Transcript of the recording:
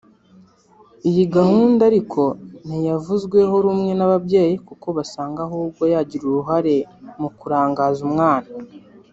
Iyi gahunda ariko ntiyavuzweho rumwe n’ababyeyi kuko basanga ahubwo yagira uruhare mu kurangaza umwana